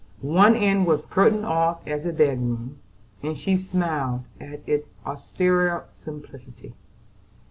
One end was curtained off as a bedroom, and she smiled at its austere simplicity.